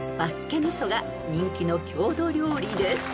味噌が人気の郷土料理です］